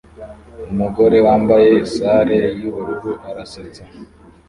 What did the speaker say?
Umugore wambaye saree yubururu arasetsa